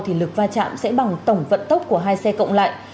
thì lực va chạm sẽ bằng tổng vận tốc của hai xe cộng lại